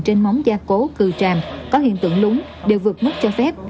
trên móng gia cố cư tràm có hiện tượng lúng đều vượt mất cho phép